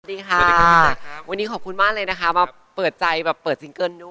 สวัสดีค่ะสวัสดีค่ะวันนี้ขอบคุณมากเลยนะคะมาเปิดใจแบบเปิดซิงเกิ้ลด้วย